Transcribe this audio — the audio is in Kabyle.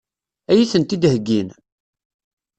Ad iyi-tent-id-heggin?